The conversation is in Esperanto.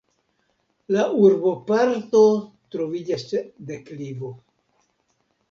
La urboparto troviĝas ĉe deklivo.